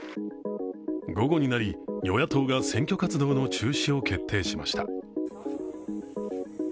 午後になり、与野党が選挙活動の中止を決定しました。